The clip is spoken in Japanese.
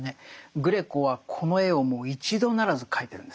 グレコはこの絵をもう一度ならず描いてるんです。